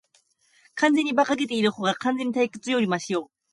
完全に馬鹿げているほうが、完全に退屈よりマシよ。